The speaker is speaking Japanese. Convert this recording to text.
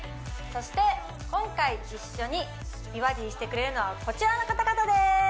そして今回一緒に美バディしてくれるのはこちらの方々です